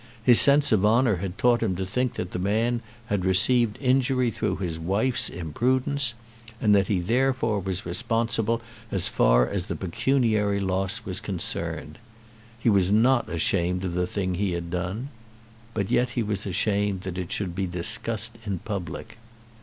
His sense of honour had taught him to think that the man had received injury through his wife's imprudence, and that he therefore was responsible as far as the pecuniary loss was concerned. He was not ashamed of the thing he had done; but yet he was ashamed that it should be discussed in public.